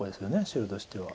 白としては。